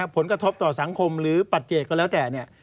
ผลกระทบต่อสังคมหรือปัจเจตก็แล้วแต่เนี่ย